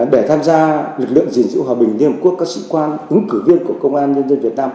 để tham gia lực lượng gìn giữ hòa bình liên hợp quốc các sĩ quan ứng cử viên của công an nhân dân việt nam